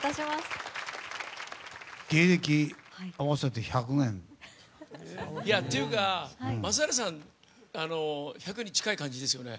芸歴合わせて１００年。というか、松平さん１００に近い感じですよね？